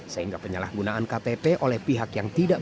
sehingga penyalahgunaan ktp oleh pihak kpu dan bawaslu